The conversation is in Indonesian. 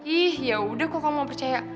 ih yaudah kok kamu gak percaya